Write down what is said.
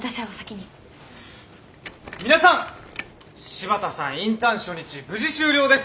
柴田さんインターン初日無事終了です。